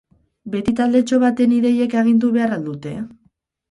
Beti taldetxo baten ideiek agindu behar al dute?